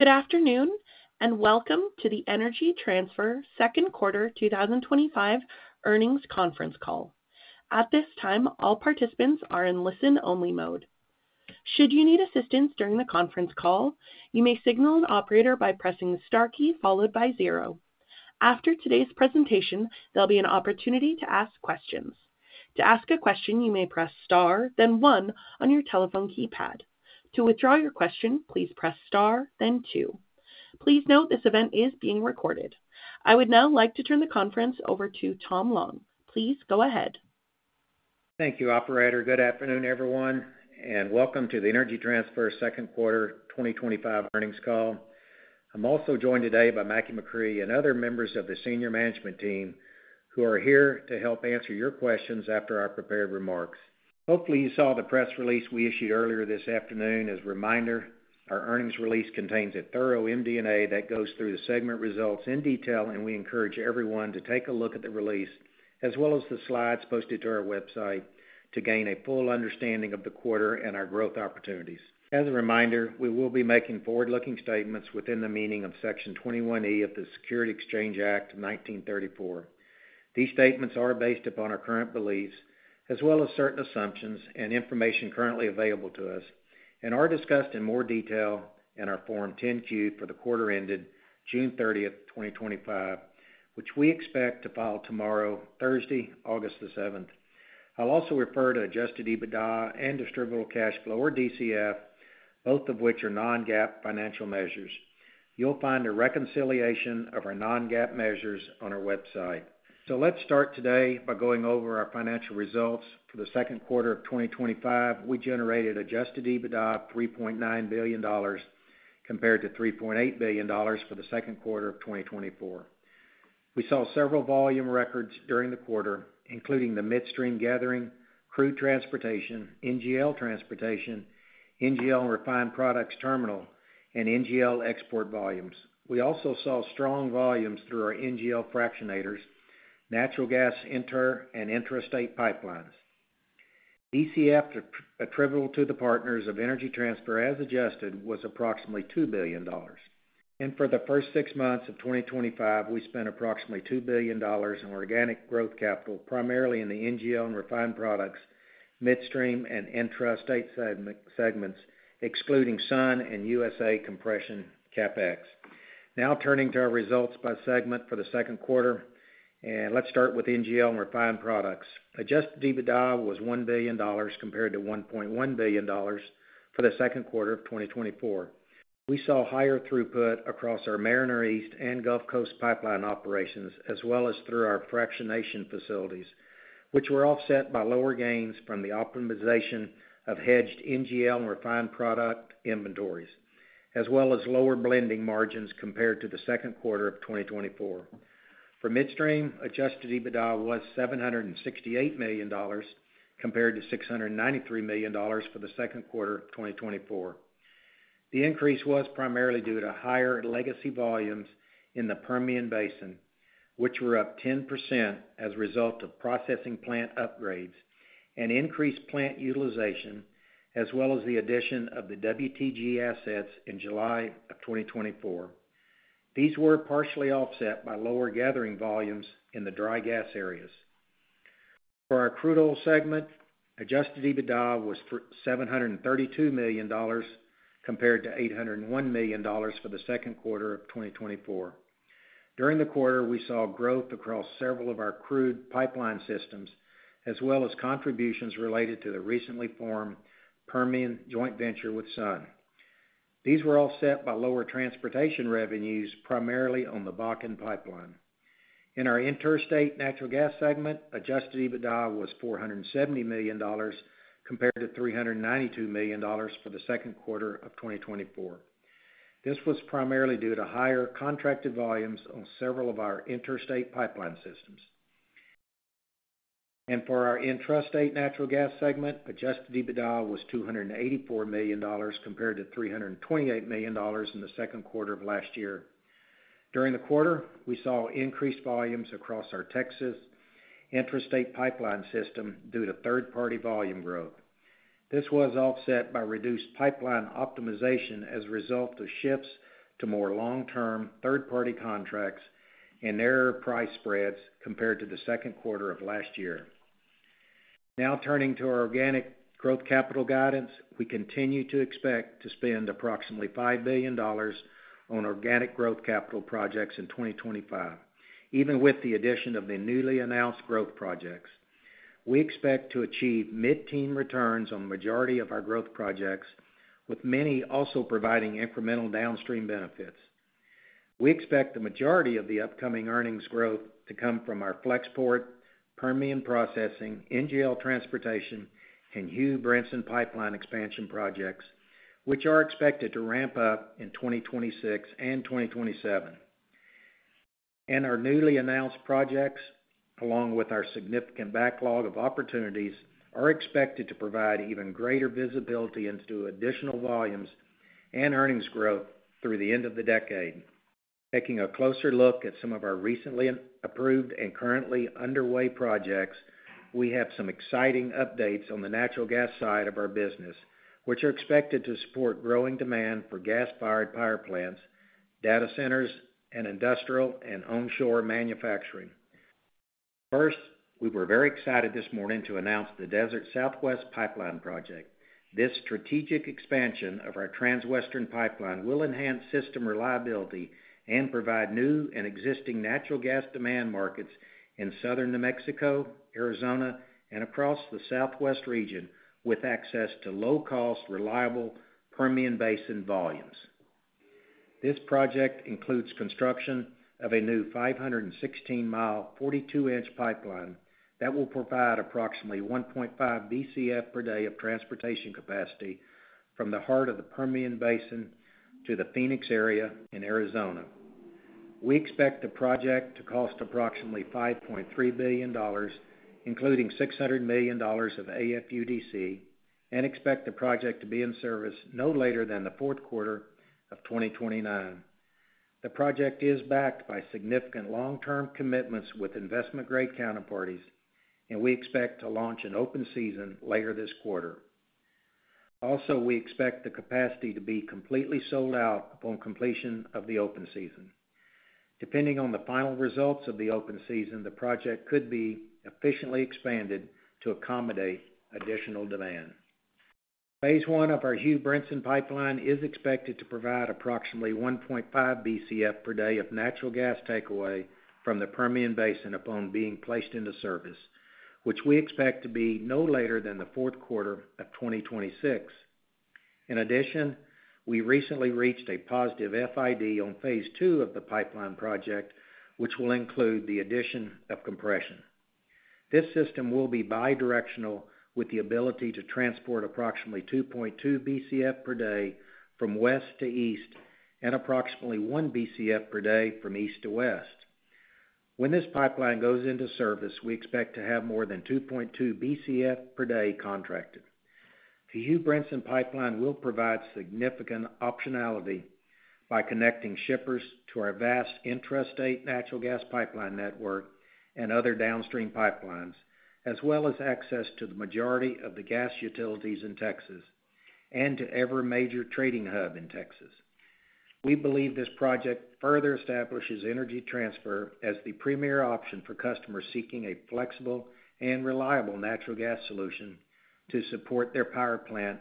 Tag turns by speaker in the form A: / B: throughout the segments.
A: Good afternoon and welcome to the Energy Transfer Second Quarter 2025 Earnings Conference Call. At this time, all participants are in listen-only mode. Should you need assistance during the conference call, you may signal an operator by pressing the star key followed by zero. After today's presentation, there will be an opportunity to ask questions. To ask a question, you may press star, then one on your telephone keypad. To withdraw your question, please press star, then two. Please note this event is being recorded. I would now like to turn the conference over to Tom Long. Please go ahead.
B: Thank you, Operator. Good afternoon, everyone, and welcome to the Energy Transfer Second Quarter 2025 Earnings Call. I'm also joined today by Mackie McCrea and other members of the Senior Management Team who are here to help answer your questions after our prepared remarks. Hopefully, you saw the press release we issued earlier this afternoon as a reminder. Our earnings release contains a thorough MD&A that goes through the segment results in detail, and we encourage everyone to take a look at the release as well as the slides posted to our website to gain a full understanding of the quarter and our growth opportunities. As a reminder, we will be making forward-looking statements within the meaning of Section 21E of the Securities Exchange Act of 1934. These statements are based upon our current beliefs, as well as certain assumptions and information currently available to us, and are discussed in more detail in our Form 10-Q for the quarter ended June 30th, 2025, which we expect to file tomorrow, Thursday, August 7th. I'll also refer to Adjusted EBITDA and Distributed Cash Flow, or DCF, both of which are non-GAAP financial measures. You'll find a reconciliation of our non-GAAP measures on our website. Let's start today by going over our financial results for the second quarter of 2025. We generated Adjusted EBITDA of $3.9 billion compared to $3.8 billion for the second quarter of 2024. We saw several volume records during the quarter, including the midstream gathering, crude transportation, NGL transportation, NGL and refined products terminal, and NGL export volumes. We also saw strong volumes through our NGL fractionators, natural gas inter and intrastate pipelines. DCF attributable to the partners of Energy Transfer as adjusted was approximately $2 billion. For the first six months of 2025, we spent approximately $2 billion in organic growth capital, primarily in the NGL and refined products, midstream and intrastate segments, excluding Sun and USA Compression CapEx. Now turning to our results by segment for the second quarter, let's start with NGL and refined products. Adjusted EBITDA was $1 billion compared to $1.1 billion for the second quarter of 2024. We saw higher throughput across our Mariner East and Gulf Coast pipeline operations, as well as through our fractionation facilities, which were offset by lower gains from the optimization of hedged NGL and refined product inventories, as well as lower blending margins compared to the second quarter of 2024. For midstream, Adjusted EBITDA was $768 million compared to $693 million for the second quarter of 2024. The increase was primarily due to higher legacy volumes in the Permian Basin, which were up 10% as a result of processing plant upgrades and increased plant utilization, as well as the addition of the WTG assets in July of 2024. These were partially offset by lower gathering volumes in the dry gas areas. For our crude oil segment, Adjusted EBITDA was $732 million compared to $801 million for the second quarter of 2024. During the quarter, we saw growth across several of our crude pipeline systems, as well as contributions related to the recently formed Permian joint venture with Sun. These were offset by lower transportation revenues, primarily on the Bakken Pipeline. In our interstate natural gas segment, Adjusted EBITDA was $470 million compared to $392 million for the second quarter of 2024. This was primarily due to higher contracted volumes on several of our interstate pipeline systems. For our intrastate natural gas segment, Adjusted EBITDA was $284 million compared to $328 million in the second quarter of last year. During the quarter, we saw increased volumes across our Texas intrastate pipeline system due to third-party volume growth. This was offset by reduced pipeline optimization as a result of shifts to more long-term third-party contracts and narrower price spreads compared to the second quarter of last year. Now turning to our organic growth capital guidance, we continue to expect to spend approximately $5 billion on organic growth capital projects in 2025, even with the addition of the newly announced growth projects. We expect to achieve mid-teen returns on the majority of our growth projects, with many also providing incremental downstream benefits. We expect the majority of the upcoming earnings growth to come from our Flexport, Permian processing, NGL transportation, and Hugh Brinson Pipeline expansion projects, which are expected to ramp up in 2026 and 2027. Our newly announced projects, along with our significant backlog of opportunities, are expected to provide even greater visibility into additional volumes and earnings growth through the end of the decade. Taking a closer look at some of our recently approved and currently underway projects, we have some exciting updates on the natural gas side of our business, which are expected to support growing demand for gas-fired power plants, data centers, and industrial and onshore manufacturing. First, we were very excited this morning to announce the Desert Southwest Pipeline project. This strategic expansion of our Transwestern pipeline will enhance system reliability and provide new and existing natural gas demand markets in southern New Mexico, Arizona, and across the Southwest region with access to low-cost, reliable Permian Basin volumes. This project includes construction of a new 516-mi, 42-inch pipeline that will provide approximately 1.5 BCF per day of transportation capacity from the heart of the Permian Basin to the Phoenix area in Arizona. We expect the project to cost approximately $5.3 billion, including $600 million of AFUDC, and expect the project to be in service no later than the fourth quarter of 2029. The project is backed by significant long-term commitments with investment-grade counterparties, and we expect to launch an open season later this quarter. We also expect the capacity to be completely sold out upon completion of the open season. Depending on the final results of the open season, the project could be efficiently expanded to accommodate additional demand. Phase one of our Hugh Brinson Pipeline is expected to provide approximately 1.5 BCF per day of natural gas takeaway from the Permian Basin upon being placed into service, which we expect to be no later than the fourth quarter of 2026. In addition, we recently reached a positive FID on phase two of the pipeline project, which will include the addition of compression. This system will be bidirectional with the ability to transport approximately 2.2 BCF per day from west to east and approximately 1 BCF per day from east to west. When this pipeline goes into service, we expect to have more than 2.2 BCF per day contracted. The Hugh Brinson Pipeline will provide significant optionality by connecting shippers to our vast intrastate natural gas pipeline network and other downstream pipelines, as well as access to the majority of the gas utilities in Texas and to every major trading hub in Texas. We believe this project further establishes Energy Transfer as the premier option for customers seeking a flexible and reliable natural gas solution to support their power plant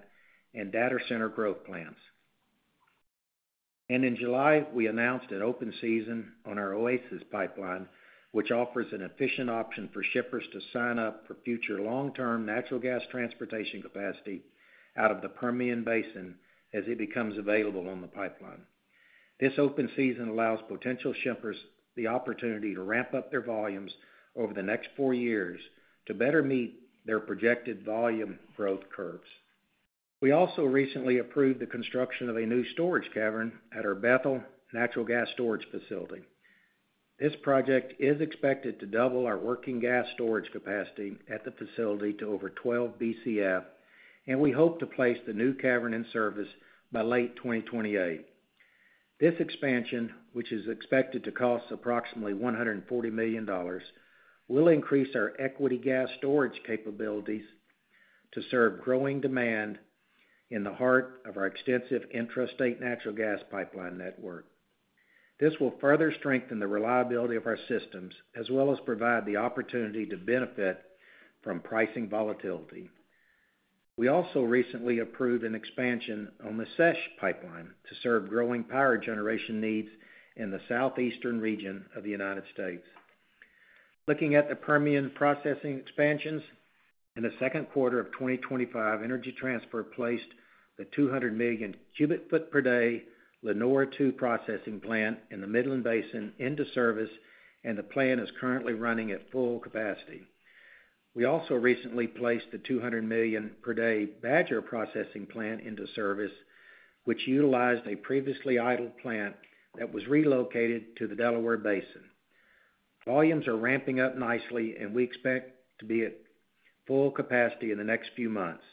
B: and data center growth plans. In July, we announced an open season on our Oasis Pipeline, which offers an efficient option for shippers to sign up for future long-term natural gas transportation capacity out of the Permian Basin as it becomes available on the pipeline. This open season allows potential shippers the opportunity to ramp up their volumes over the next four years to better meet their projected volume growth curves. We also recently approved the construction of a new storage cavern at our Bethel Natural Gas Storage Facility. This project is expected to double our working gas storage capacity at the facility to over 12 BCF, and we hope to place the new cavern in service by late 2028. This expansion, which is expected to cost approximately $140 million, will increase our equity gas storage capabilities to serve growing demand in the heart of our extensive intrastate natural gas pipeline network. This will further strengthen the reliability of our systems, as well as provide the opportunity to benefit from pricing volatility. We also recently approved an expansion on the SESH pipeline to serve growing power generation needs in the southeastern region of the United States. Looking at the Permian processing expansions, in the second quarter of 2025, Energy Transfer placed the 200 million cu ft per day Lenora II processing plant in the Midland Basin into service, and the plant is currently running at full capacity. We also recently placed the 200 million per day Badger processing plant into service, which utilized a previously idle plant that was relocated to the Delaware Basin. Volumes are ramping up nicely, and we expect to be at full capacity in the next few months.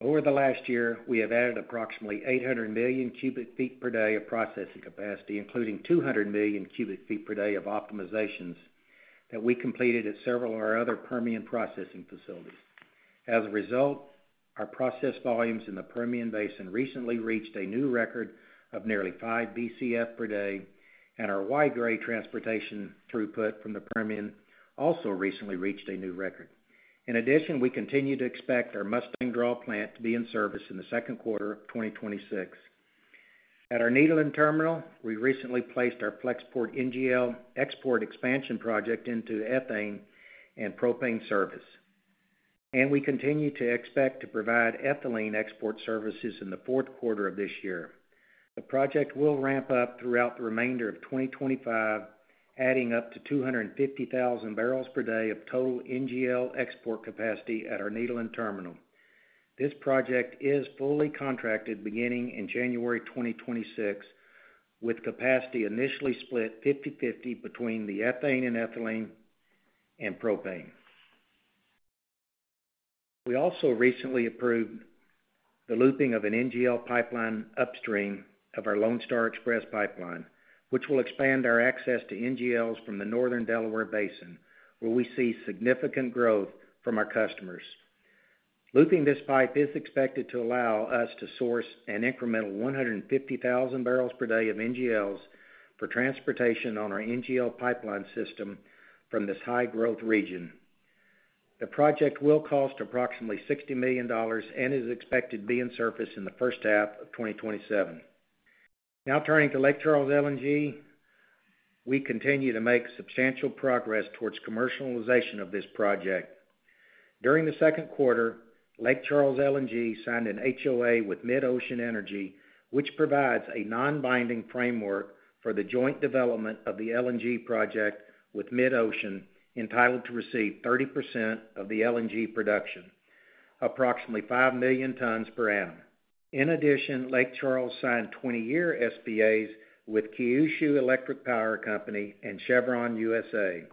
B: Over the last year, we have added approximately 800 million cu ft per day of processing capacity, including 200 million cu ft per day of optimizations that we completed at several of our other Permian processing facilities. As a result, our process volumes in the Permian Basin recently reached a new record of nearly 5 BCF per day, and our Y-grade transportation throughput from the Permian also recently reached a new record. In addition, we continue to expect our Mustang Draw plant to be in service in the second quarter of 2026. At our Nederland Terminal, we recently placed our Flexport NGL export expansion project into ethane and propane service, and we continue to expect to provide ethylene export services in the fourth quarter of this year. The project will ramp up throughout the remainder of 2025, adding up to 250,000 bbl per day of total NGL export capacity at our Nederland Terminal. This project is fully contracted beginning in January 2026, with capacity initially split 50/50 between the ethane and ethylene and propane. We also recently approved the looping of an NGL pipeline upstream of our Lone Star Express NGL pipeline, which will expand our access to NGLs from the northern Delaware Basin, where we see significant growth from our customers. Looping this pipe is expected to allow us to source an incremental 150,000 bbl per day of NGLs for transportation on our NGL pipeline system from this high-growth region. The project will cost approximately $60 million and is expected to be in service in the first half of 2027. Now turning to Lake Charles LNG, we continue to make substantial progress towards commercialization of this project. During the second quarter, Lake Charles LNG signed an HOA with Mid Ocean Energy, which provides a non-binding framework for the joint development of the LNG project with Mid Ocean, entitled to receive 30% of the LNG production, approximately 5 million tons per annum. In addition, Lake Charles signed 20-year SPAs with Kyushu Electric Power Company and Chevron USA.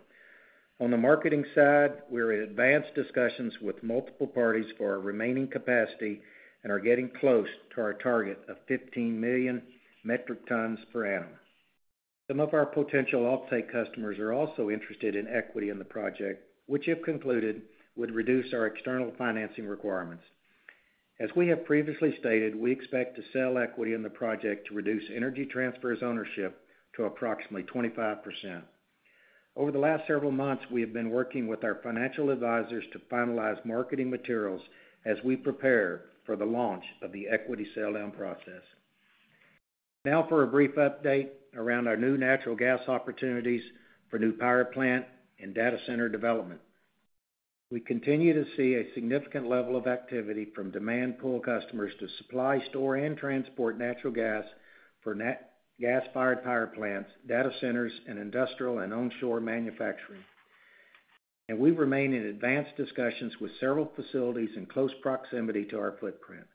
B: On the marketing side, we're in advanced discussions with multiple parties for our remaining capacity and are getting close to our target of 15 million metric tons per annum. Some of our potential off-take customers are also interested in equity in the project, which if concluded would reduce our external financing requirements. As we have previously stated, we expect to sell equity in the project to reduce Energy Transfer's ownership to approximately 25%. Over the last several months, we have been working with our financial advisors to finalize marketing materials as we prepare for the launch of the equity sell-down process. Now for a brief update around our new natural gas opportunities for new power plant and data center development. We continue to see a significant level of activity from demand pool customers to supply, store, and transport natural gas for gas-fired power plants, data centers, and industrial and onshore manufacturing. We remain in advanced discussions with several facilities in close proximity to our footprint.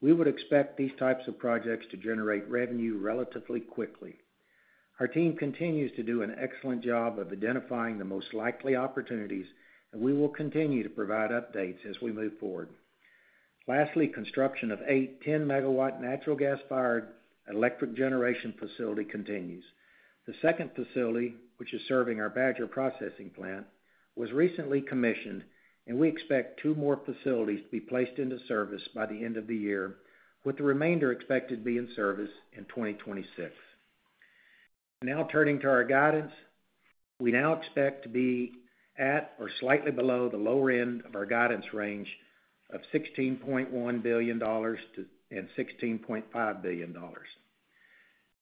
B: We would expect these types of projects to generate revenue relatively quickly. Our team continues to do an excellent job of identifying the most likely opportunities, and we will continue to provide updates as we move forward. Lastly, construction of eight 10 MW natural gas-fired electric generation facilities continues. The second facility, which is serving our Badger processing plant, was recently commissioned, and we expect two more facilities to be placed into service by the end of the year, with the remainder expected to be in service in 2026. Now turning to our guidance, we now expect to be at or slightly below the lower end of our guidance range of $16.1 billion-$16.5 billion.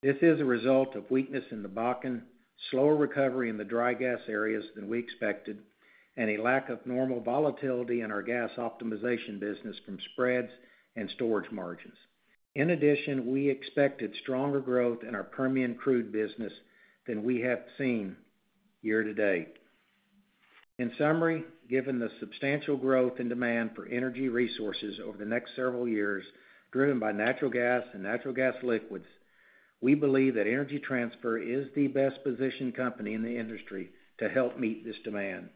B: This is a result of weakness in the Bakken, slower recovery in the dry gas areas than we expected, and a lack of normal volatility in our gas optimization business from spreads and storage margins. In addition, we expected stronger growth in our Permian crude business than we have seen year-to-date. In summary, given the substantial growth in demand for energy resources over the next several years, driven by natural gas and natural gas liquids, we believe that Energy Transfer is the best positioned company in the industry to help meet this demand.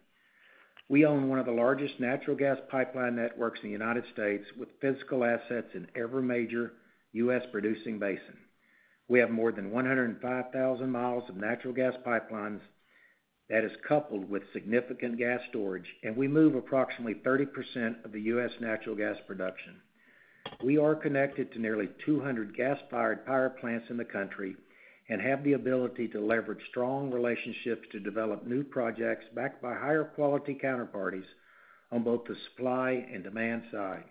B: We own one of the largest natural gas pipeline networks in the United States, with physical assets in every major U.S.-producing basin. We have more than 105,000 mi of natural gas pipelines that are coupled with significant gas storage, and we move approximately 30% of the U.S. natural gas production. We are connected to nearly 200 gas-fired power plants in the country and have the ability to leverage strong relationships to develop new projects backed by higher quality counterparties on both the supply and demand side.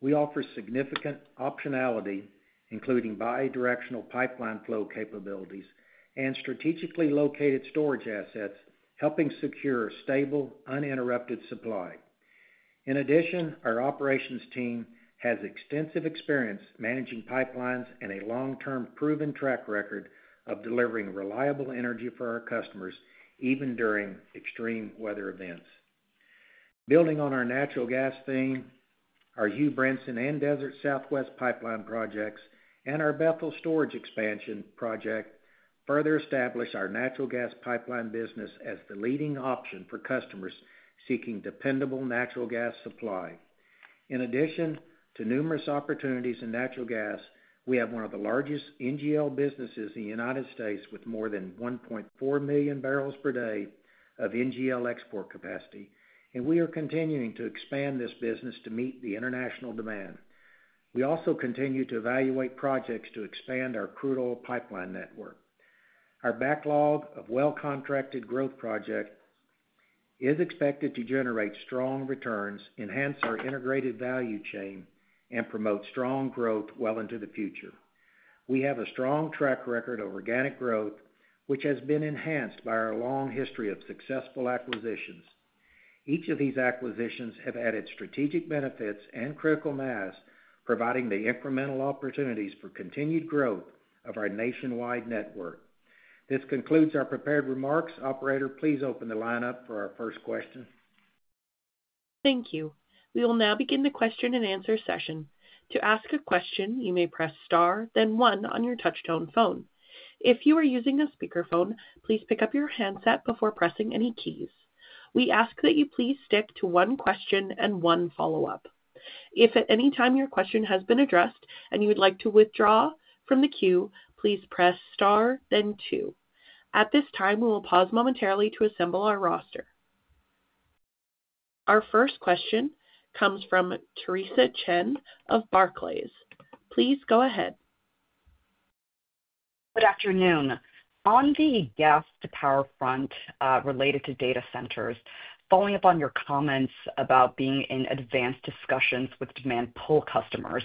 B: We offer significant optionality, including bi-directional pipeline flow capabilities and strategically located storage assets, helping secure a stable, uninterrupted supply. In addition, our operations team has extensive experience managing pipelines and a long-term proven track record of delivering reliable energy for our customers, even during extreme weather events. Building on our natural gas theme, our Hugh Brinson and Desert Southwest Pipeline projects and our Bethel Natural Gas Storage Facility expansion project further establish our natural gas pipeline business as the leading option for customers seeking dependable natural gas supply. In addition to numerous opportunities in natural gas, we have one of the largest NGL businesses in the United States, with more than 1.4 million bbl per day of NGL export capacity, and we are continuing to expand this business to meet the international demand. We also continue to evaluate projects to expand our crude oil pipeline network. Our backlog of well-contracted growth projects is expected to generate strong returns, enhance our integrated value chain, and promote strong growth well into the future. We have a strong track record of organic growth, which has been enhanced by our long history of successful acquisitions. Each of these acquisitions has added strategic benefits and critical mass, providing the incremental opportunities for continued growth of our nationwide network. This concludes our prepared remarks. Operator, please open the line up for our first question.
A: Thank you. We will now begin the question-and-answer session. To ask a question, you may press star, then one on your touch-tone phone. If you are using a speakerphone, please pick up your handset before pressing any keys. We ask that you please stick to one question and one follow-up. If at any time your question has been addressed and you would like to withdraw from the queue, please press star, then two. At this time, we will pause momentarily to assemble our roster. Our first question comes from Theresa Chen of Barclays. Please go ahead.
C: Good afternoon. On the gas-to-power front related to data centers, following up on your comments about being in advanced discussions with demand pool customers,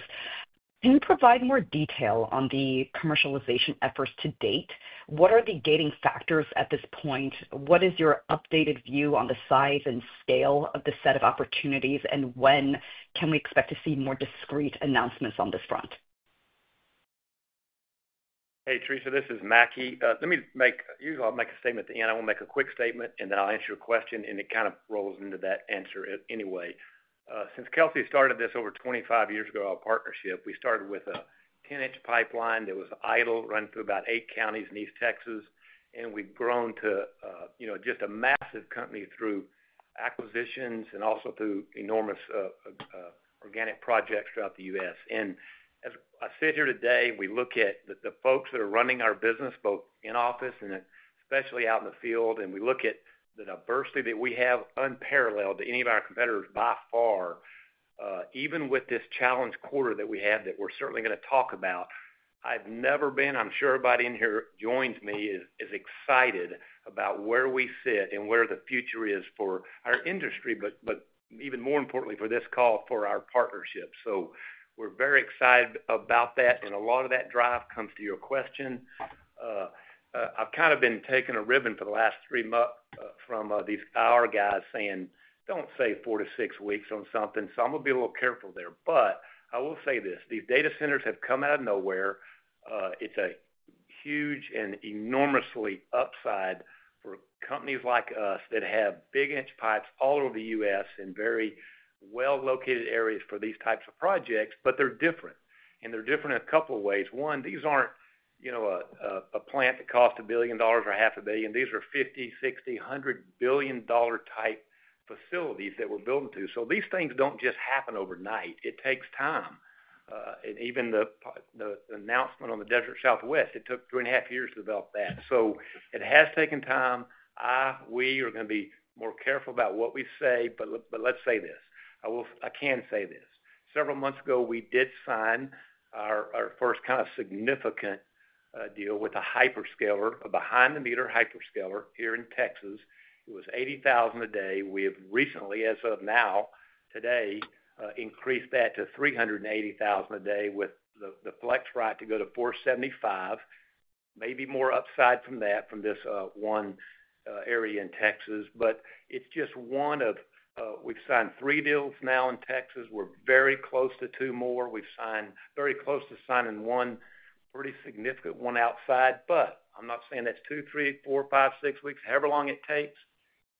C: can you provide more detail on the commercialization efforts to date? What are the gating factors at this point? What is your updated view on the size and scale of the set of opportunities, and when can we expect to see more discrete announcements on this front?
D: Hey, Theresa, this is Mackie. Let me make, usually, I'll make a statement at the end. I will make a quick statement, and then I'll answer your question, and it kind of rolls into that answer anyway. Since Kelcy started this over 25 years ago, our partnership, we started with a 10-inch pipeline that was idle, running through about eight counties in East Texas, and we've grown to, you know, just a massive company through acquisitions and also through enormous organic projects throughout the U.S. As I sit here today, we look at the folks that are running our business both in office and especially out in the field, and we look at the diversity that we have unparalleled to any of our competitors by far. Even with this challenge quarter that we have that we're certainly going to talk about, I've never been, I'm sure everybody in here joins me, as excited about where we sit and where the future is for our industry, but even more importantly for this call for our partnership. We're very excited about that, and a lot of that drive comes to your question. I've kind of been taking a ribbon for the last three months from these power guys saying, "Don't say 4-6 weeks on something." I'm going to be a little careful there. I will say this, these data centers have come out of nowhere. It's a huge and enormous upside for companies like us that have big-inch pipes all over the U.S. in very well-located areas for these types of projects, but they're different. They're different in a couple of ways. One, these aren't, you know, a plant that cost $1 billion or half a billion. These are $50 billion, $60 billion, $100 billion type facilities that we're building to. These things don't just happen overnight. It takes time. Even the announcement on the Desert Southwest Pipeline, it took three and a half years to develop that. It has taken time. We are going to be more careful about what we say, but let's say this. I will, I can say this. Several months ago, we did sign our first kind of significant deal with a hyperscaler, a behind-the-meter hyperscaler here in Texas. It was 80,000 a day. We have recently, as of now, today, increased that to 380,000 a day with the FlexRite to go to 475,000. Maybe more upside from that from this one area in Texas, but it's just one of, we've signed three deals now in Texas. We're very close to two more. We've signed very close to signing one, pretty significant one outside, but I'm not saying that's two, three, four, five, six weeks, however long it takes.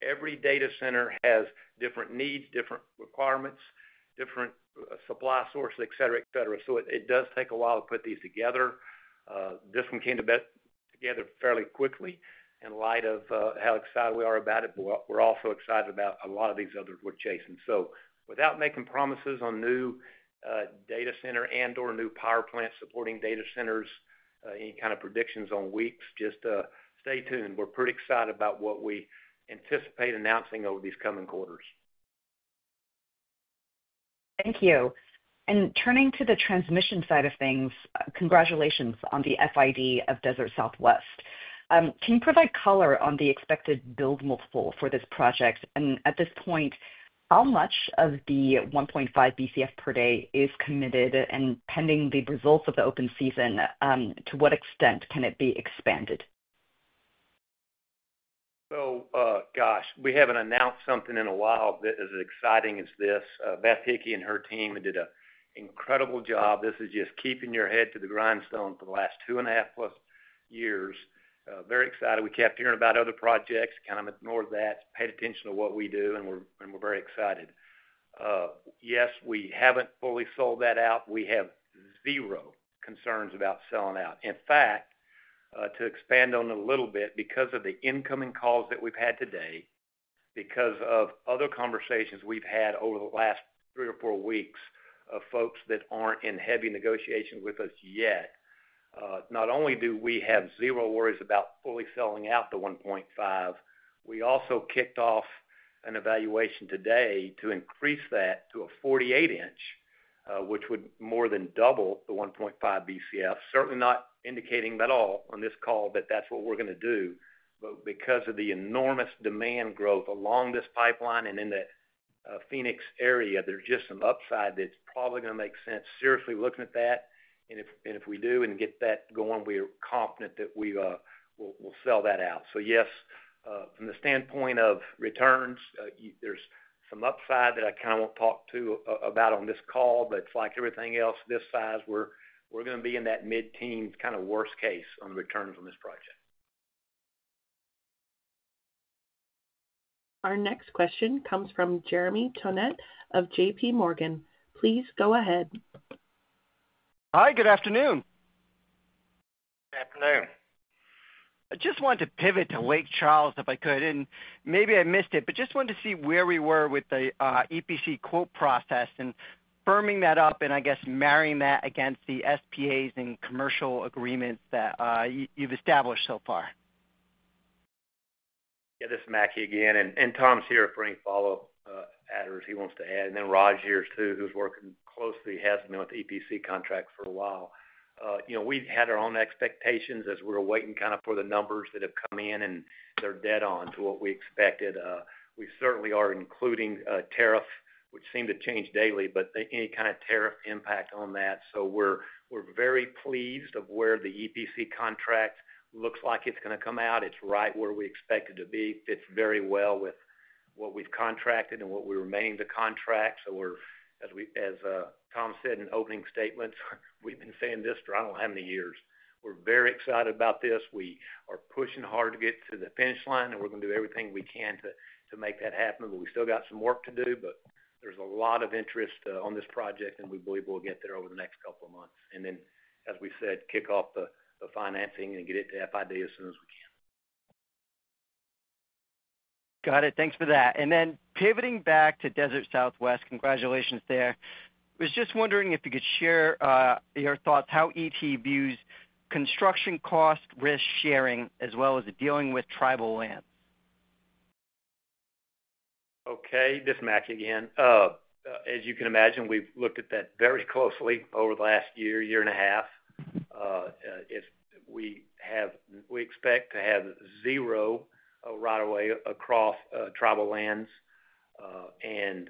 D: Every data center has different needs, different requirements, different supply sources, etc. It does take a while to put these together. This one came to be together fairly quickly in light of how excited we are about it, but we're also excited about a lot of these others we're chasing. Without making promises on new data center and/or new power plant supporting data centers, any kind of predictions on weeks, just stay tuned. We're pretty excited about what we anticipate announcing over these coming quarters.
C: Thank you. Turning to the transmission side of things, congratulations on the FID of Desert Southwest. Can you provide color on the expected build multiple for this project? At this point, how much of the 1.5 BCF per day is committed? Pending the results of the open season, to what extent can it be expanded?
D: We haven't announced something in a while that is as exciting as this. Beth Hickey and her team did an incredible job. This is just keeping your head to the grindstone for the last 2.5+ years. Very excited. We kept hearing about other projects, kind of ignored that, paid attention to what we do, and we're very excited. Yes, we haven't fully sold that out. We have zero concerns about selling out. In fact, to expand on it a little bit, because of the incoming calls that we've had today, because of other conversations we've had over the last 3-4 weeks of folks that aren't in heavy negotiations with us yet, not only do we have zero worries about fully selling out the 1.5, we also kicked off an evaluation today to increase that to a 48-inch, which would more than double the 1.5 BCF. Certainly not indicating at all on this call that that's what we're going to do, but because of the enormous demand growth along this pipeline and in the Phoenix area, there's just some upside that's probably going to make sense seriously looking at that. If we do and get that going, we are confident that we will sell that out. Yes, from the standpoint of returns, there's some upside that I kind of want to talk to about on this call, but it's like everything else this size, we're going to be in that mid-team kind of worst case on the returns on this project.
A: Our next question comes from Jeremy Tonet of JPMorgan. Please go ahead.
E: Hi, good afternoon.
D: Good afternoon.
E: I just wanted to pivot to Lake Charles if I could, and maybe I missed it, but just wanted to see where we were with the EPC quote process and firming that up, and I guess marrying that against the SPAs and commercial agreements that you've established so far.
D: Yeah, this is Mackie again, and Tom's here for any follow-ups if he wants to add. Rod's here too, who's working closely, hasn't been with the EPC contract for a while. We had our own expectations as we were waiting for the numbers that have come in, and they're dead on to what we expected. We certainly are including a tariff, which seemed to change daily, but any kind of tariff impact on that. We are very pleased with where the EPC contract looks like it's going to come out. It's right where we expect it to be. Fits very well with what we've contracted and what we remain to contract. As Tom said in opening statements, we've been saying this for I don't know how many years. We're very excited about this. We are pushing hard to get to the finish line, and we're going to do everything we can to make that happen. We still got some work to do, but there's a lot of interest on this project, and we believe we'll get there over the next couple of months. As we said, kick off the financing and get it to FID as soon as we can.
E: Got it. Thanks for that. Pivoting back to Desert Southwest, congratulations there. I was just wondering if you could share your thoughts on how Energy Transfer's construction cost risk sharing, as well as dealing with tribal land.
D: Okay, this is Mackie again. As you can imagine, we've looked at that very closely over the last year, year and a half. We expect to have zero right-of-way across tribal lands, and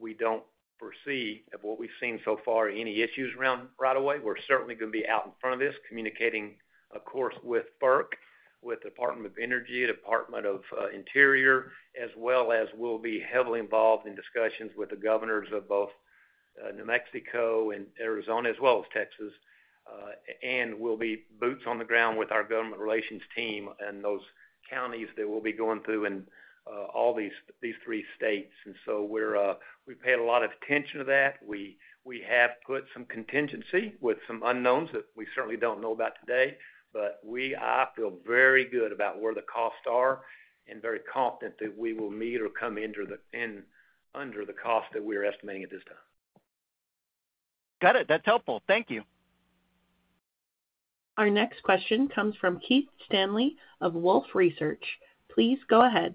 D: we don't foresee, from what we've seen so far, any issues around right-of-way. We're certainly going to be out in front of this, communicating, of course, with FERC, with the Department of Energy, the Department of Interior, as well as we'll be heavily involved in discussions with the governors of both New Mexico and Arizona, as well as Texas. We'll be boots on the ground with our government relations team in those counties that we'll be going through in all these three states. We've paid a lot of attention to that. We have put some contingency with some unknowns that we certainly don't know about today, but I feel very good about where the costs are and very confident that we will meet or come in under the cost that we're estimating at this time.
E: Got it. That's helpful. Thank you.
A: Our next question comes from Keith Stanley of Wolfe Research. Please go ahead.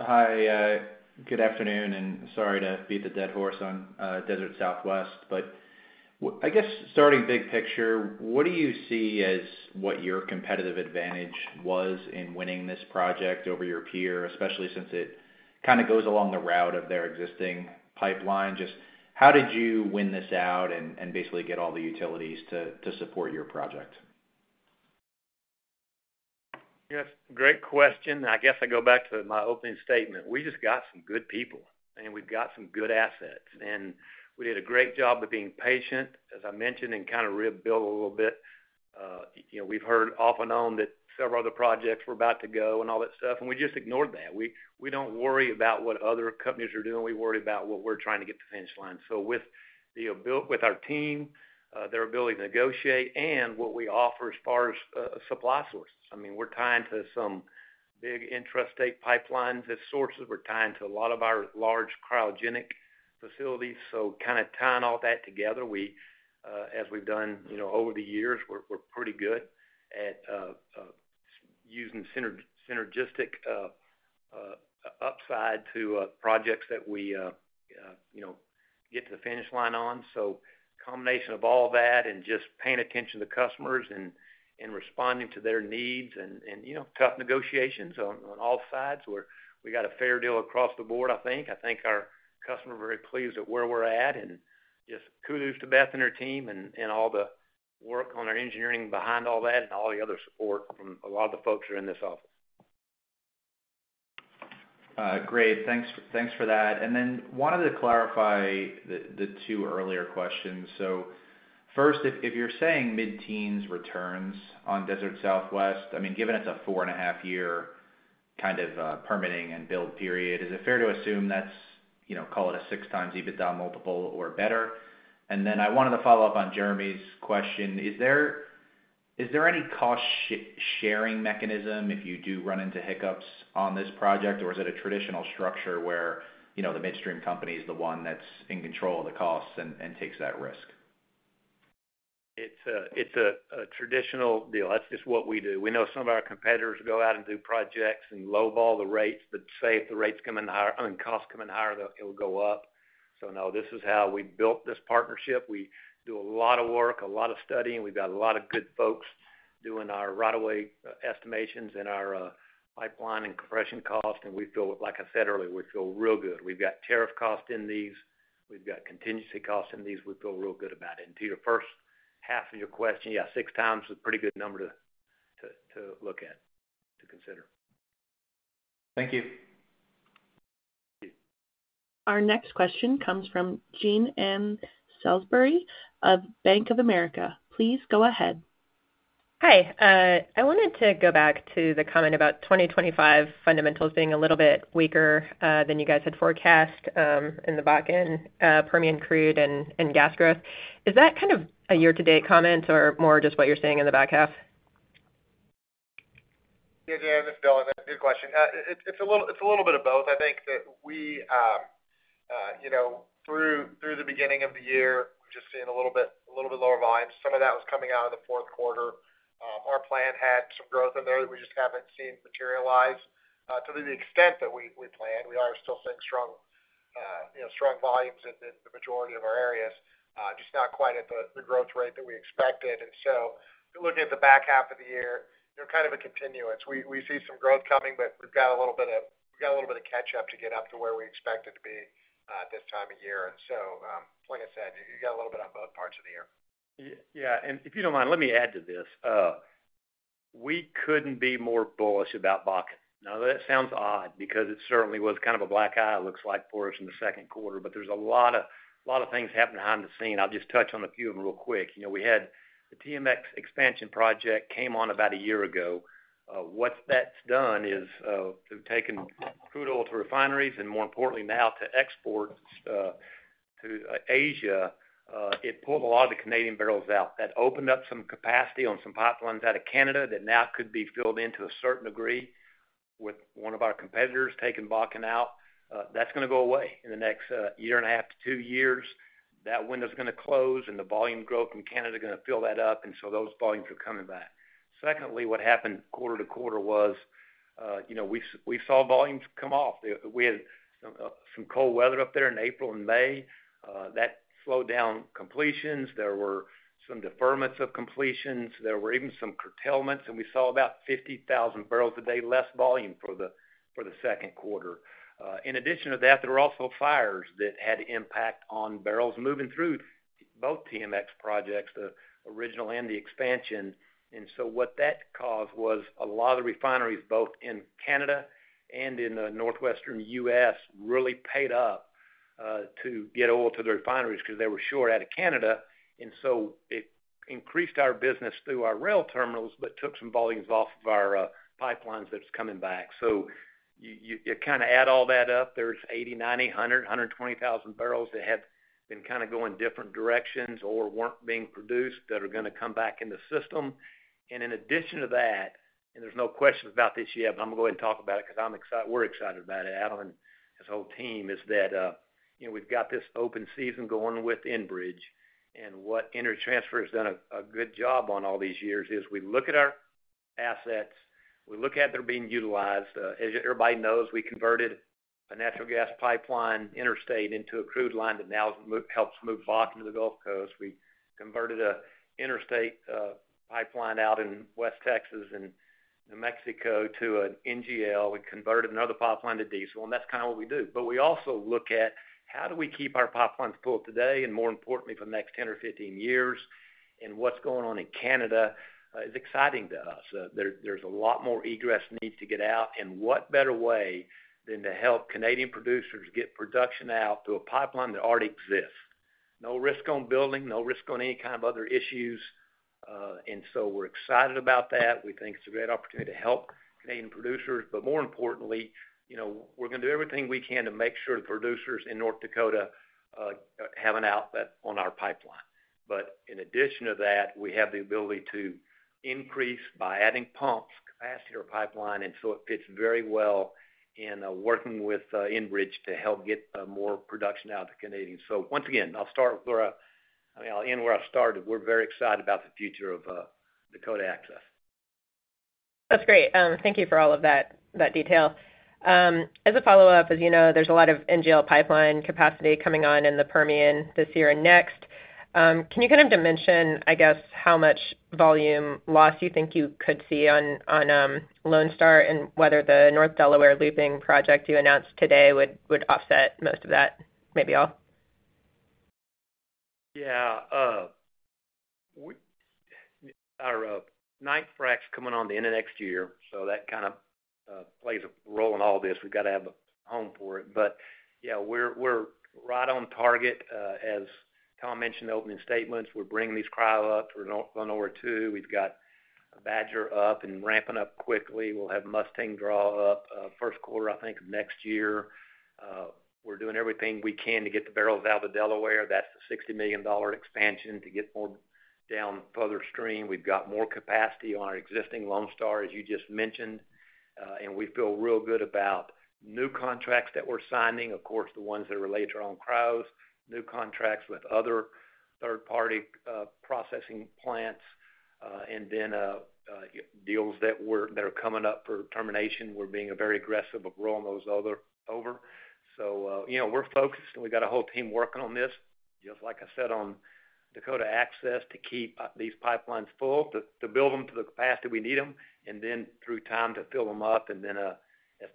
F: Hi, good afternoon, and sorry to beat the dead horse on Desert Southwest, but I guess starting big picture, what do you see as what your competitive advantage was in winning this project over your peer, especially since it kind of goes along the route of their existing pipeline? Just how did you win this out and basically get all the utilities to support your project?
D: Yes, great question. I guess I go back to my opening statement. We just got some good people, and we've got some good assets, and we did a great job of being patient, as I mentioned, and kind of rebuild a little bit. We've heard off and on that several other projects were about to go and all that stuff, and we just ignored that. We don't worry about what other companies are doing. We worry about what we're trying to get to the finish line. With the ability with our team, their ability to negotiate, and what we offer as far as supply sources, I mean, we're tying to some big intrastate pipelines as sources. We're tying to a lot of our large cryogenic facilities. Kind of tying all that together, we, as we've done over the years, we're pretty good at using synergistic upside to projects that we get to the finish line on. A combination of all that and just paying attention to customers and responding to their needs and tough negotiations on all sides, we got a fair deal across the board, I think. I think our customer is very pleased at where we're at, and just kudos to Beth and her team and all the work on our engineering behind all that and all the other support from a lot of the folks that are in this office.
F: Great. Thanks for that. I wanted to clarify the two earlier questions. If you're saying mid-teens returns on Desert Southwest, given it's a four and a half year kind of permitting and build period, is it fair to assume that's, you know, call it a six times EBITDA multiple or better? I wanted to follow up on Jeremy's question. Is there any cost sharing mechanism if you do run into hiccups on this project, or is it a traditional structure where, you know, the midstream company is the one that's in control of the costs and takes that risk?
D: It's a traditional deal. That's just what we do. We know some of our competitors go out and do projects and lowball the rates, but if the rates come in higher, I mean, costs come in higher, it'll go up. This is how we built this partnership. We do a lot of work, a lot of studying, and we've got a lot of good folks doing our right-of-way estimations and our pipeline and compression cost, and we feel, like I said earlier, we feel real good. We've got tariff costs in these. We've got contingency costs in these. We feel real good about it. To your first half of your question, yeah, six times is a pretty good number to look at, to consider.
F: Thank you.
A: Our next question comes from Jean Ann Salisbury of Bank of America. Please go ahead.
G: Hi. I wanted to go back to the comment about 2025 fundamentals being a little bit weaker than you guys had forecast in the back end, Permian crude and gas growth. Is that kind of a year-to-date comment or more just what you're seeing in the back half?
H: Yeah, that's a good question. It's a little bit of both. I think that we, through the beginning of the year, we've just seen a little bit lower volumes. Some of that was coming out of the fourth quarter. Our plan had some growth in there that we just haven't seen materialize. To the extent that we planned, we are still seeing strong, strong volumes in the majority of our areas, just not quite at the growth rate that we expected. We're looking at the back half of the year, kind of a continuance. We see some growth coming, but we've got a little bit of catch-up to get up to where we expect it to be at this time of year. Like I said, you've got a little bit on both parts of the year. Yeah. If you don't mind, let me add to this.
D: We couldn't be more bullish about Bakken. That sounds odd because it certainly was kind of a black eye, it looks like, for us in the second quarter, but there's a lot of things happening behind the scene. I'll just touch on a few of them real quick. We had the TMX expansion project come on about a year ago. What that's done is they've taken crude oil to refineries and, more importantly, now to export to Asia. It pulled a lot of the Canadian barrels out. That opened up some capacity on some pipelines out of Canada that now could be filled in to a certain degree with one of our competitors taking Bakken out. That's going to go away in the next year and a half to two years. That window's going to close, and the volume growth in Canada is going to fill that up. Those volumes are coming back. Secondly, what happened quarter to quarter was, we saw volumes come off. We had some cold weather up there in April and May. That slowed down completions. There were some deferments of completions. There were even some curtailments, and we saw about 50,000 bbl a day less volume for the second quarter. In addition to that, there were also fires that had an impact on barrels moving through both TMX projects, the original and the expansion. What that caused was a lot of the refineries, both in Canada and in the northwestern U.S., really paid up to get oil to the refineries because they were short out of Canada. It increased our business through our rail terminals, but took some volumes off of our pipelines that's coming back. You kind of add all that up. There's 80,000, 90,000, 100,000, 120,000 bbl that have been kind of going different directions or weren't being produced that are going to come back in the system. In addition to that, and there's no questions about this yet, but I'm going to go ahead and talk about it because I'm excited. We're excited about it, Adam and his whole team, is that, you know, we've got this open season going with Enbridge, and what Energy Transfer has done a good job on all these years is we look at our assets, we look at they're being utilized. As everybody knows, we converted a natural gas pipeline interstate into a crude line that now helps move Bakken to the Gulf Coast. We converted an interstate pipeline out in West Texas and New Mexico to an NGL. We converted another pipeline to diesel, and that's kind of what we do. We also look at how do we keep our pipelines full today, and more importantly, for the next 10 or 15 years, and what's going on in Canada is exciting to us. There's a lot more egress needs to get out, and what better way than to help Canadian producers get production out through a pipeline that already exists. No risk on building, no risk on any kind of other issues. We're excited about that. We think it's a great opportunity to help Canadian producers, but more importantly, you know, we're going to do everything we can to make sure the producers in North Dakota have an output on our pipeline. In addition to that, we have the ability to increase by adding pumps capacity to our pipeline, and it fits very well in working with Enbridge to help get more production out to Canadians. Once again, I'll end where I started. We're very excited about the future of Dakota Access.
G: That's great. Thank you for all of that detail. As a follow-up, as you know, there's a lot of NGL pipeline capacity coming on in the Permian this year and next. Can you kind of mention, I guess, how much volume loss you think you could see on Lone Star and whether the North Delaware looping project you announced today would offset most of that, maybe all?
D: Yeah. Our ninth frac's coming on the end of next year, so that kind of plays a role in all this. We've got to have a home for it. Yeah, we're right on target. As Tom mentioned in opening statements, we're bringing these cryo up for Lenora II. We've got Badger up and ramping up quickly. We'll have Mustang Draw up first quarter, I think, of next year. We're doing everything we can to get the barrel valve of Delaware. That's the $60 million expansion to get more down further stream. We've got more capacity on our existing Lone Star, as you just mentioned, and we feel real good about new contracts that we're signing. Of course, the ones that are related to our own cryos, new contracts with other third-party processing plants, and then deals that are coming up for termination. We're being very aggressive of rolling those other over. We're focused, and we've got a whole team working on this, just like I said on Dakota Access, to keep these pipelines full, to build them to the capacity we need them, and then through time to fill them up, and then as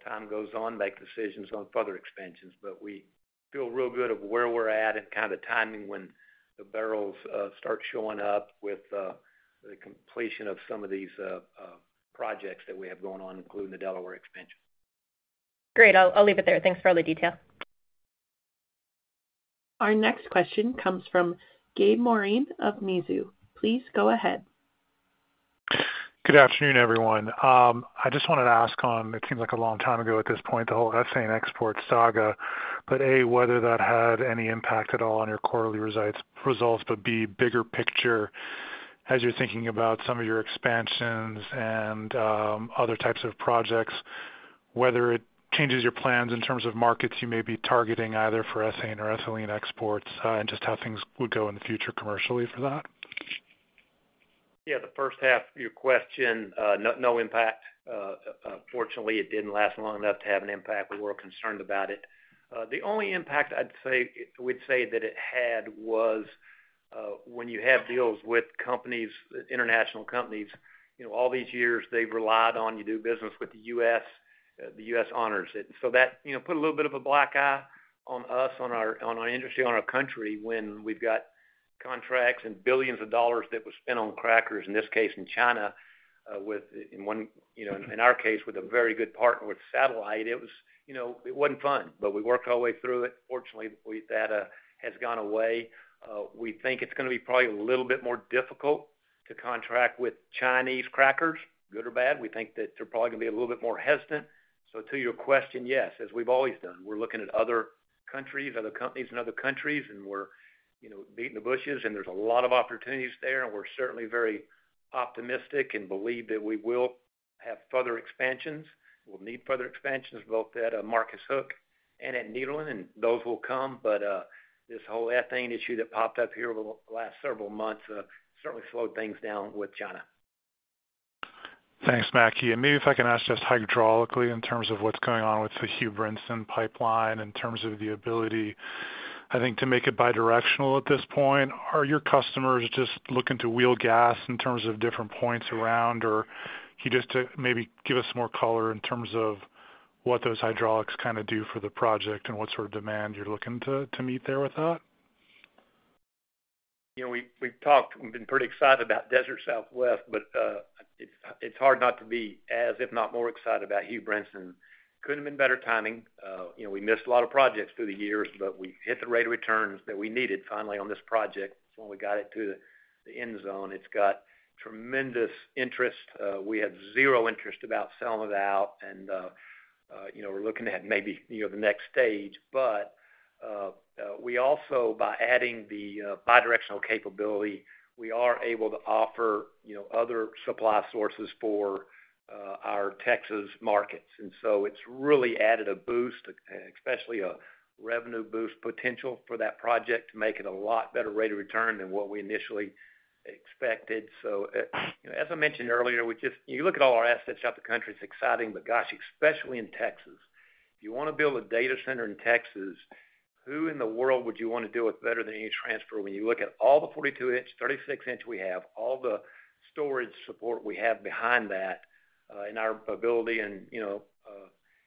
D: time goes on, make decisions on further expansions. We feel real good of where we're at and kind of the timing when the barrels start showing up with the completion of some of these projects that we have going on, including the Delaware expansion.
G: Great. I'll leave it there. Thanks for all the detail.
A: Our next question comes from Gabe Moreen of Mizuho. Please go ahead.
I: Good afternoon, everyone. I just wanted to ask on, it seems like a long time ago at this point, the whole SAN export saga, whether that had any impact at all on your quarterly results. Bigger picture, as you're thinking about some of your expansions and other types of projects, whether it changes your plans in terms of markets you may be targeting either for SAN or ethylene exports and just how things would go in the future commercially for that.
D: Yeah, the first half of your question, no impact. Fortunately, it didn't last long enough to have an impact. We were concerned about it. The only impact I'd say it had was when you have deals with companies, international companies, you know, all these years, they've relied on you do business with the U.S. The U.S. honors it. That put a little bit of a black eye on us, on our industry, on our country when we've got contracts and billions of dollars that were spent on crackers, in this case in China, with, in our case, a very good partner with Satellite. It wasn't fun, but we worked our way through it. Fortunately, that has gone away. We think it's going to be probably a little bit more difficult to contract with Chinese crackers, good or bad. We think that they're probably going to be a little bit more hesitant. To your question, yes, as we've always done, we're looking at other countries, other companies in other countries, and we're beating the bushes, and there's a lot of opportunities there, and we're certainly very optimistic and believe that we will have further expansions. We'll need further expansions, both at Marcus Hook and at Nederland, and those will come, but this whole ethane issue that popped up here over the last several months certainly slowed things down with China.
I: Thanks, Mackie. Maybe if I can ask just hydraulically in terms of what's going on with the Hugh Brinson Pipeline in terms of the ability, I think, to make it bi-directional at this point. Are your customers just looking to wheel gas in terms of different points around, or can you just maybe give us more color in terms of what those hydraulics kind of do for the project and what sort of demand you're looking to meet there with that?
D: You know, we've talked, been pretty excited about Desert Southwest, but it's hard not to be as, if not more, excited about Hugh Brinson. Couldn't have been better timing. You know, we missed a lot of projects through the years, but we hit the rate of returns that we needed finally on this project. That's when we got it through the end zone. It's got tremendous interest. We have zero interest about selling it out, and you know, we're looking at maybe the next stage. We also, by adding the bi-directional capability, are able to offer other supply sources for our Texas markets. It's really added a boost, especially a revenue boost potential for that project to make it a lot better rate of return than what we initially expected. As I mentioned earlier, you look at all our assets throughout the country, it's exciting, but gosh, especially in Texas. If you want to build a data center in Texas, who in the world would you want to do it better than Energy Transfer when you look at all the 42-inch, 36-inch we have, all the storage support we have behind that, and our ability and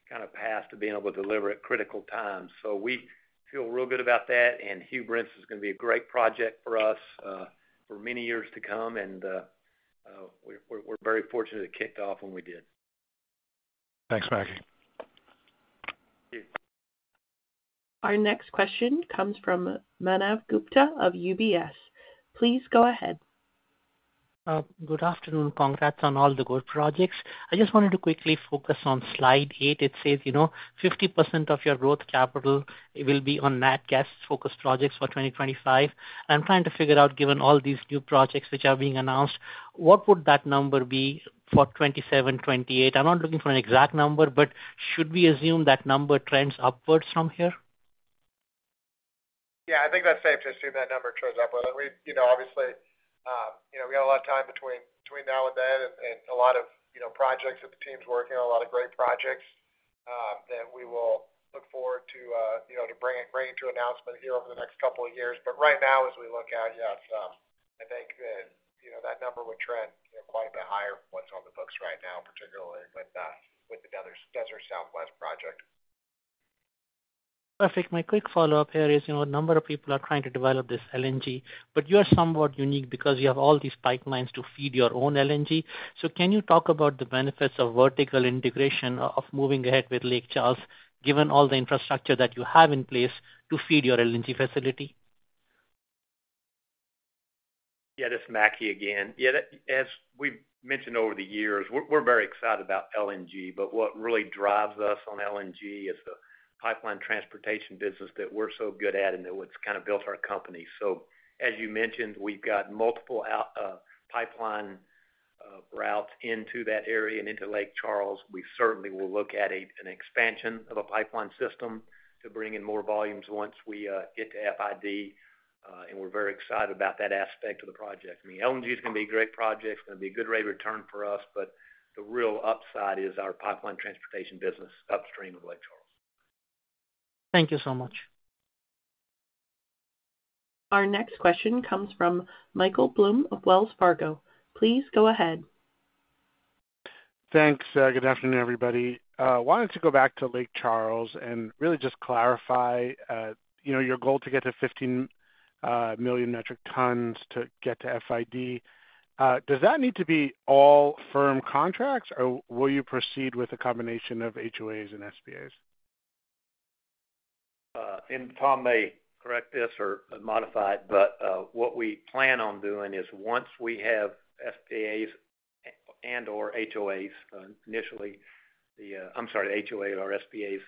D: kind of path to being able to deliver at critical times. We feel real good about that, and Hugh Brinson is going to be a great project for us for many years to come, and we're very fortunate it kicked off when we did.
I: Thanks, Mackie.
D: Thank you.
A: Our next question comes from Manav Gupta of UBS. Please go ahead.
J: Good afternoon. Congrats on all the good projects. I just wanted to quickly focus on slide eight. It says, you know, 50% of your growth capital will be on natural gas-focused projects for 2025. I'm trying to figure out, given all these new projects which are being announced, what would that number be for 2027, 2028? I'm not looking for an exact number, but should we assume that number trends upwards from here?
H: Yeah, I think that's safe to assume that number trends upward. We have a lot of time between now and then and a lot of projects that the team's working on, a lot of great projects that we will look forward to bringing to announcement here over the next couple of years. Right now, as we look at it, I think that number would trend quite a bit higher from what's on the books right now, particularly with the Desert Southwest Pipeline project.
J: Perfect. My quick follow-up here is, you know, a number of people are trying to develop this LNG, but you are somewhat unique because you have all these pipelines to feed your own LNG. Can you talk about the benefits of vertical integration of moving ahead with Lake Charles, given all the infrastructure that you have in place to feed your LNG facility?
D: Yeah, this is Mackie again. As we've mentioned over the years, we're very excited about LNG, but what really drives us on LNG is the pipeline transportation business that we're so good at and that's kind of built our company. As you mentioned, we've got multiple pipeline routes into that area and into Lake Charles. We certainly will look at an expansion of a pipeline system to bring in more volumes once we get to FID, and we're very excited about that aspect of the project. I mean, LNG is going to be a great project. It's going to be a good rate of return for us, but the real upside is our pipeline transportation business upstream of Lake Charles.
J: Thank you so much.
A: Our next question comes from Michael Blum of Wells Fargo. Please go ahead.
K: Thanks. Good afternoon, everybody. I wanted to go back to Lake Charles and really just clarify, you know, your goal to get to 15 million metric tons to get to FID. Does that need to be all firm contracts, or will you proceed with a combination of HOAs and SPAs?
D: Tom may correct this or modify it, but what we plan on doing is once we have SPAs and/or HOAs initially, the HOAs or SPAs,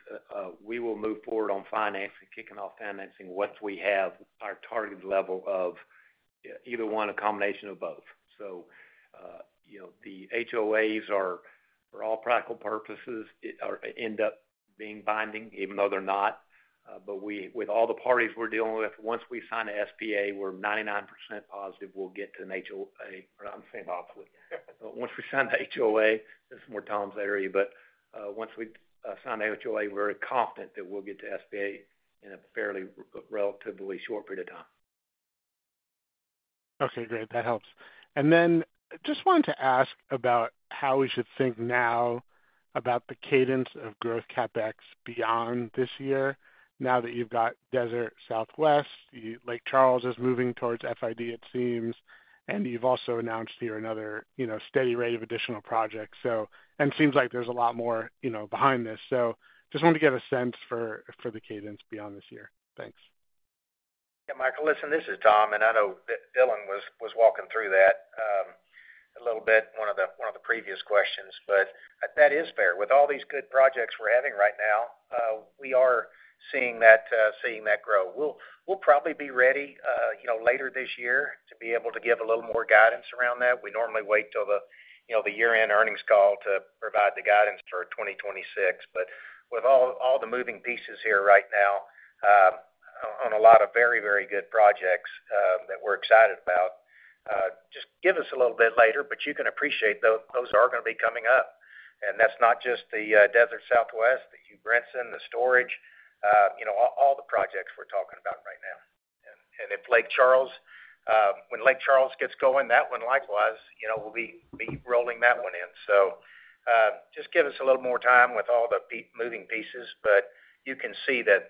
D: we will move forward on financing, kicking off financing once we have our target level of either one, a combination of both. The HOAs are for all practical purposes, end up being binding, even though they're not. With all the parties we're dealing with, once we sign an SPA, we're 99% positive we'll get to an HOA, or I'm saying possibly. Once we sign the HOA, this is more Tom's area, but once we sign the HOA, we're very confident that we'll get to SPA in a fairly relatively short period of time.
K: Okay, great. That helps. I just wanted to ask about how we should think now about the cadence of growth CapEx beyond this year. Now that you've got Desert Southwest, Lake Charles is moving towards FID, it seems, and you've also announced here another steady rate of additional projects. It seems like there's a lot more behind this. I just wanted to get a sense for the cadence beyond this year. Thanks.
B: Yeah, Michael, listen, this is Tom, and I know Dylan was walking through that a little bit, one of the previous questions, but that is fair. With all these good projects we're having right now, we are seeing that grow. We'll probably be ready later this year to be able to give a little more guidance around that. We normally wait till the year-end earnings call to provide the guidance for 2026. With all the moving pieces here right now on a lot of very, very good projects that we're excited about, just give us a little bit later, but you can appreciate those are going to be coming up. That's not just the Desert Southwest Pipeline, the Hugh Brinson Pipeline, the storage, all the projects we're talking about right now. If Lake Charles, when Lake Charles gets going, that one likewise, we'll be rolling that one in. Just give us a little more time with all the moving pieces, but you can see that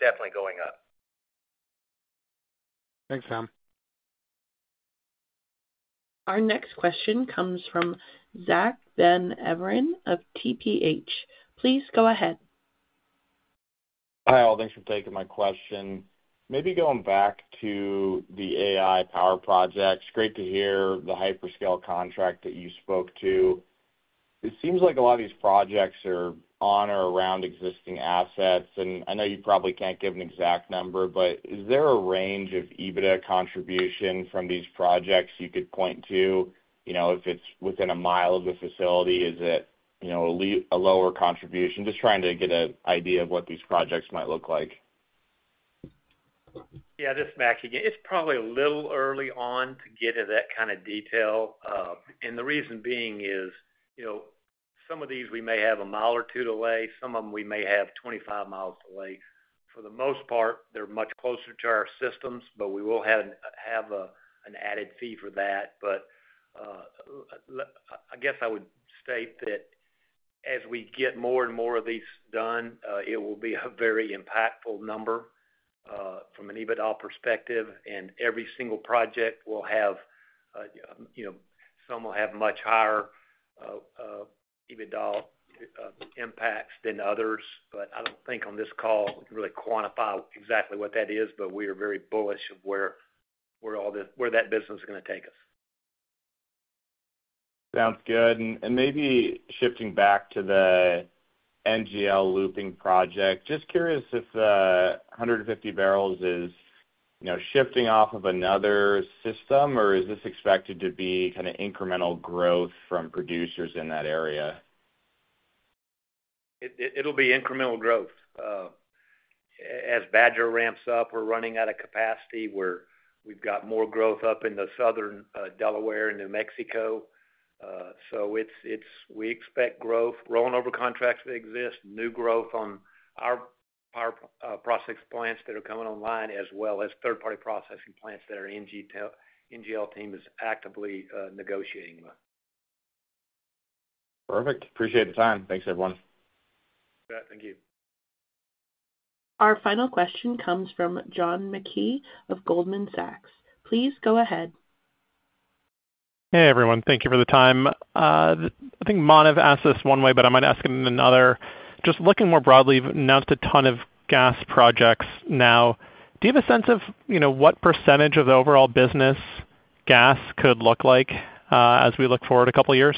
B: definitely going up.
K: Thanks, Tom.
A: Our next question comes from Zackery Van Everen of Tudor Pickering Holt & Co. Please go ahead.
L: Hi all, thanks for taking my question. Maybe going back to the AI power projects, great to hear the hyperscale contract that you spoke to. It seems like a lot of these projects are on or around existing assets, and I know you probably can't give an exact number, but is there a range of EBITDA contribution from these projects you could point to? If it's within 1 mi of the facility, is it a lower contribution? Just trying to get an idea of what these projects might look like.
D: Yeah, this is Mackie again. It's probably a little early on to get into that kind of detail. The reason being is, you know, some of these we may have 1-2 mi delay, some of them we may have 25 mi delay. For the most part, they're much closer to our systems, but we will have an added fee for that. I guess I would state that as we get more and more of these done, it will be a very impactful number from an EBITDA perspective, and every single project will have, you know, some will have much higher EBITDA impacts than others. I don't think on this call really quantify exactly what that is, but we are very bullish of where all that business is going to take us.
L: Sounds good. Maybe shifting back to the NGL looping project, just curious if the 150 bbl is, you know, shifting off of another system, or is this expected to be kind of incremental growth from producers in that area?
D: It'll be incremental growth. As Badger ramps up, we're running out of capacity. We've got more growth up in the southern Delaware and New Mexico. We expect growth, rolling over contracts that exist, new growth on our processing plants that are coming online, as well as third-party processing plants that our NGL team is actively negotiating with.
L: Perfect. Appreciate the time. Thanks, everyone.
D: Thank you.
A: Our final question comes from John Mackay of Goldman Sachs. Please go ahead.
M: Hey, everyone. Thank you for the time. I think Manav asked this one way, but I might ask it in another. Just looking more broadly, you've announced a ton of gas projects now. Do you have a sense of what % of the overall business gas could look like as we look forward a couple of years?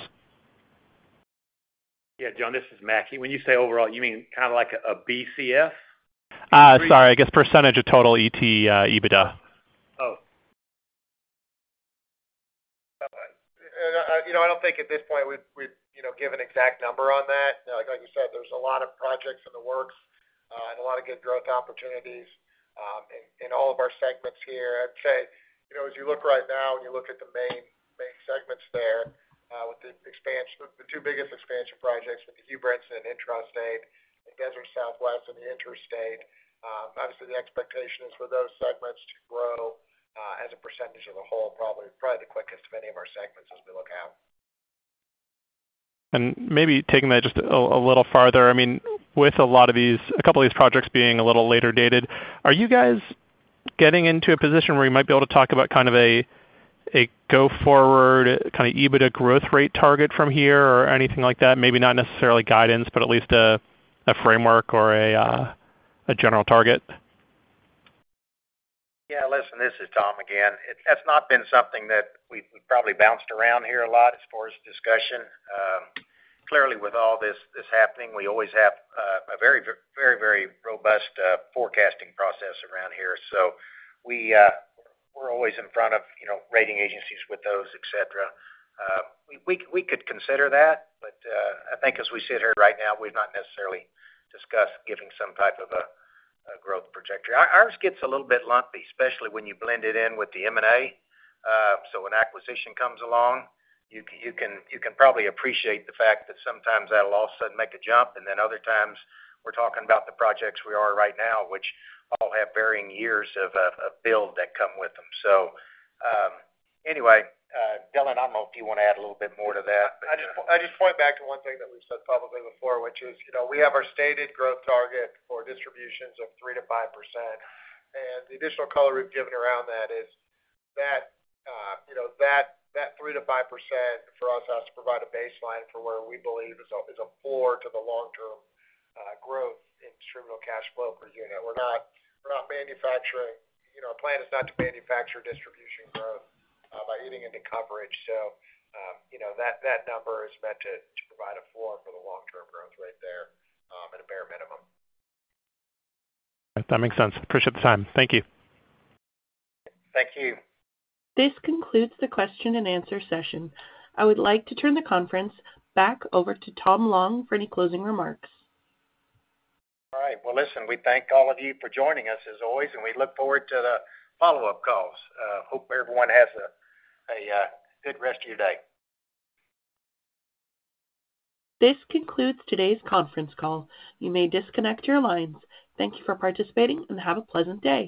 D: Yeah, John, this is Mackie. When you say overall, you mean kind of like a BCF?
M: Sorry, I guess percentage of total EBITDA.
H: I don't think at this point we'd give an exact number on that. Like we said, there's a lot of projects in the works and a lot of good growth opportunities in all of our segments here. I'd say, as you look right now and you look at the main segments there with the two biggest expansion projects with the Hugh Brinson and intrastate, and Desert Southwest and the interstate. Obviously, the expectation is for those segments to grow as a percentage of the whole, probably the quickest of any of our segments as we look out.
M: Taking that just a little farther, with a lot of these, a couple of these projects being a little later dated, are you guys getting into a position where you might be able to talk about kind of a go-forward kind of EBITDA growth rate target from here or anything like that? Maybe not necessarily guidance, but at least a framework or a general target?
B: Yeah, listen, this is Tom again. It's not been something that we've probably bounced around here a lot as far as discussion. Clearly, with all this happening, we always have a very, very, very robust forecasting process around here. We're always in front of, you know, rating agencies with those, et cetera. We could consider that, but I think as we sit here right now, we've not necessarily discussed giving some type of a growth trajectory. Ours gets a little bit lumpy, especially when you blend it in with the M&A. When acquisition comes along, you can probably appreciate the fact that sometimes that'll all of a sudden make a jump, and other times we're talking about the projects we are right now, which all have varying years of a build that come with them. Anyway, Dylan, I don't know if you want to add a little bit more to that.
H: I just want to go back to one thing that we've said probably before, which is, you know, we have our stated growth target for distributions of 3%-5%. The additional color we've given around that is that, you know, that 3%-5% for us has to provide a baseline for where we believe is a floor to the long-term growth in the terminal cash broker unit. We're not manufacturing, you know, our plan is not to manufacture distribution growth by eating into coverage. That number is meant to provide a floor for the long-term growth rate there at a bare minimum.
M: That makes sense. Appreciate the time. Thank you.
H: Thank you.
A: This concludes the question-and-answer session. I would like to turn the conference back over to Tom Long for any closing remarks.
B: All right. Listen, we thank all of you for joining us as always, and we look forward to the follow-up calls. Hope everyone has a good rest of your day.
A: This concludes today's conference call. You may disconnect your lines. Thank you for participating and have a pleasant day.